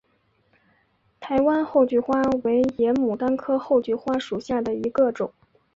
台湾厚距花为野牡丹科厚距花属下的一个种。